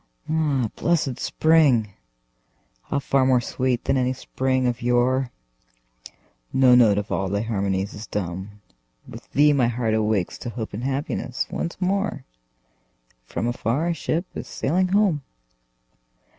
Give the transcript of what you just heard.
Ah, blessed spring!—how far more sweet than any spring of yore! No note of all thy harmonies is dumb; With thee my heart awakes to hope and happiness once more, And from afar a ship is sailing home!